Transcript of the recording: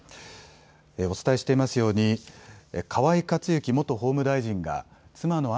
お伝えしていますように河井克行元法務大臣が妻の案